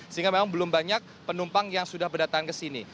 sehingga memang belum banyak penumpang yang sudah berdatang ke sini